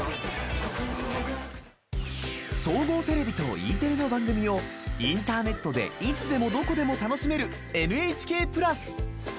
総合テレビとＥテレの番組をインターネットでいつでもどこでも楽しめるＮＨＫプラス。